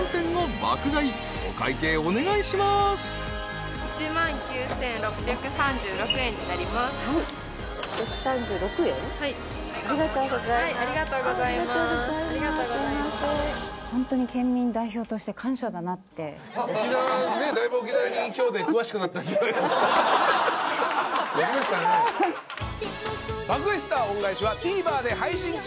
『爆買い☆スター恩返し』はＴＶｅｒで配信中。